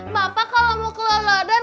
bapak kalau mau kelolodan